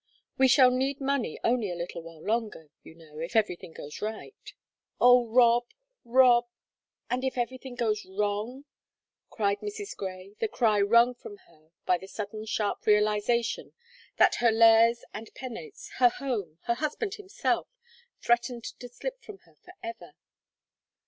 We shall need money only a little while longer, you know, if everything goes right." "Oh, Rob, Rob, and if everything goes wrong?" cried Mrs. Grey, the cry wrung from her by the sudden sharp realization that her lares and penates, her home, her husband himself, threatened to slip from her forever.